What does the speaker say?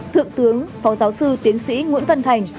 thượng tướng phó giáo sư tiến sĩ nguyễn văn thành